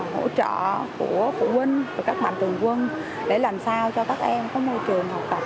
hỗ trợ của phụ huynh và các mạnh thường quân để làm sao cho các em có môi trường học tập